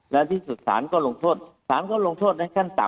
และที่สุดสารก็ลงโทษสารก็ลงโทษในขั้นต่ำ